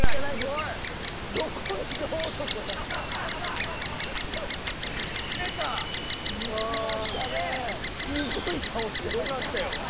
すごかったよ。